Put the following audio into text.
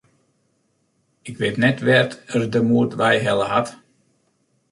Ik wit net wêr't er de moed wei helle hat.